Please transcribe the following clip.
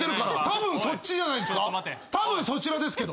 たぶんそちらですけど。